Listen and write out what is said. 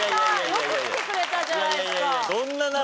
よく来てくれたじゃないですか！